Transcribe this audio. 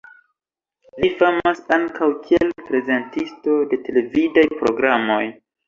Li famas ankaŭ kiel prezentisto de televidaj programoj.